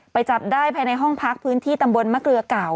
จับได้ภายในห้องพักพื้นที่ตำบลมะเกลือเก่า